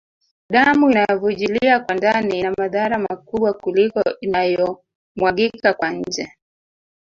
Damu inayovujilia kwa ndani ina madhara makubwa kuliko inayomwagika kwa nje